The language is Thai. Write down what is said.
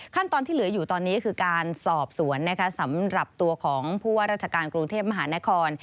ตอนที่เหลืออยู่ตอนนี้คือการสอบสวนนะคะสำหรับตัวของผู้ว่าราชการกรุงเทพมหานคร